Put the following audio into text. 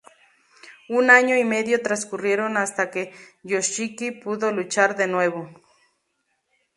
Un año y medio transcurrieron hasta que Yoshiki pudo luchar de nuevo.